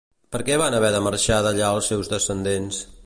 Per què van haver de marxar d'allà els seus descendents?